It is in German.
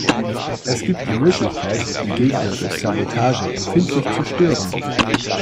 Es gibt die Möglichkeit, die Gegner durch Sabotage empfindlich zu stören.